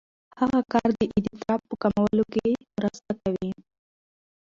هغه کار د اضطراب په کمولو کې مرسته کوي.